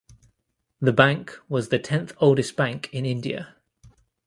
The bank was the tenth oldest bank in India.